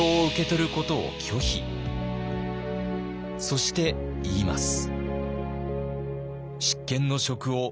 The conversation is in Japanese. そして言います。